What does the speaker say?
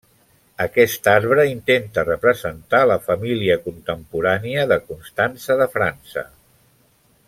Aquest arbre intenta representar la família contemporània de Constança de França.